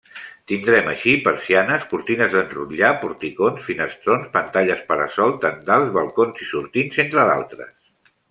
Tindrem així: persianes, cortines d'enrotllar, porticons, finestrons, pantalles para-sol, tendals, balcons i sortints, entre d'altres.